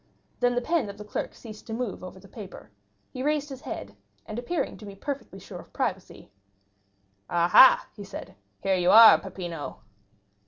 Then the pen of the clerk ceased to move over the paper; he raised his head, and appearing to be perfectly sure of privacy: "Ah, ha," he said, "here you are, Peppino!"